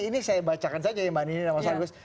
ini saya bacakan saja ya mbak nini dan mas agus